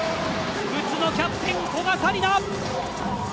不屈のキャプテン古賀紗理那！